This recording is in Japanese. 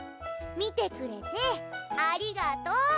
見てくれてありがとう。